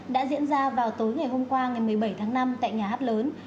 đã diễn ra vào tối ngày hôm qua ngày một mươi bảy tháng năm tại nhà hát lớn